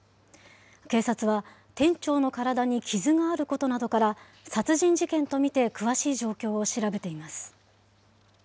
警察は店長の体に傷があることなどから、殺人事件とみて詳しい状況を調べています。